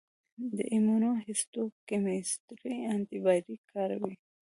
د ایمونوهیسټوکیمسټري انټي باډي کاروي.